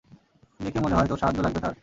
দেখে মনে হয় তোর সাহায্য লাগবে তার?